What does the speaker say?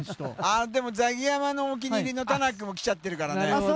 ザキヤマのお気に入りのタナックも来ちゃってるからね。